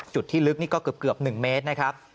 จุดที่ลึกนี่ก็เกือบ๑เมตรนะครับ